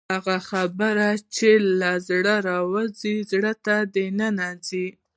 هغه خبرې چې له زړه راوځي زړه ته ننوځي.